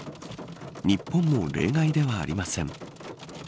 日本も例外ではありません。